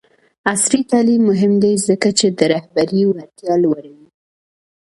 عصري تعلیم مهم دی ځکه چې د رهبرۍ وړتیا لوړوي.